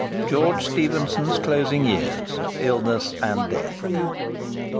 GEORGE STEPHENSON'S CLOSING YEARS—ILLNESS AND DEATH.